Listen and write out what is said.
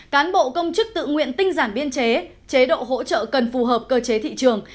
cán bộ công chức tự nguyện tinh giản biên chế chế độ hỗ trợ cần phù hợp cơ chế thị trường